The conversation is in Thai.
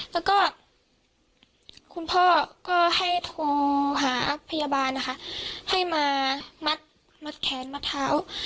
แล้วก็คุณพ่อก็ให้โทรหาพยาบาลนะคะให้มามัดแขนมัดเท้า